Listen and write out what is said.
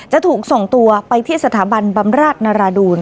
จะถูกส่งตัวไปที่สถาบันบำราชนรดูล